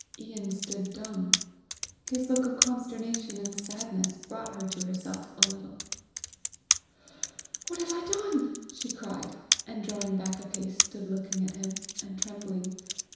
Ian stood dumb. His look of consternation and sadness brought her to herself a little. "What have I done!" she cried, and drawing back a pace, stood looking at him, and trembling.